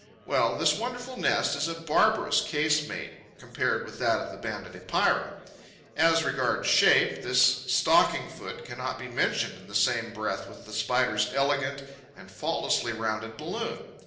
Well, this wonderful nest is a barbarous casemate compared with that of the Banded Epeira. As regards shape, this stocking foot cannot be mentioned in the same breath with the Spider's elegant and faultlessly rounded balloon.